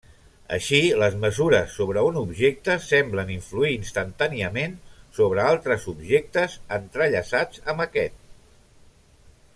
Així, les mesures sobre un objecte semblen influir instantàniament sobre altres objectes entrellaçats amb aquest.